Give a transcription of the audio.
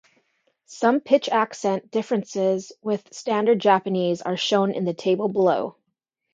Some pitch accent differences with standard Japanese are shown in the table below.